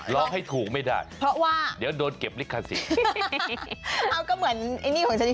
ล้อให้ถูกไม่ได้เดี๋ยวโดนเก็บนิดก่อนสิ